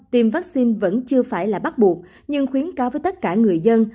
tiêm vaccine vẫn chưa phải là bắt buộc nhưng khuyến cáo với tất cả người dân